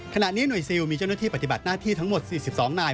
ขณะนี้หน่วยซิลมีเจ้าหน้าที่ปฏิบัติหน้าที่ทั้งหมด๔๒นาย